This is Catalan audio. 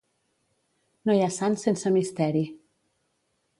No hi ha sant sense misteri.